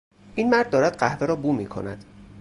این مرد دارد قهوه را بو میکند.